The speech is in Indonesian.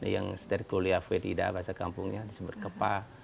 yang stergolia vedida bahasa kampungnya disebut kepah